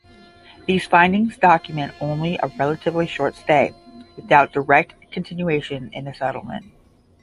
These findings document only a relatively short stay, without direct continuation in the settlement.